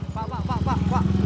pak pak pak pak